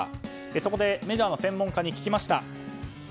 そこでメジャーの専門家に聞きました。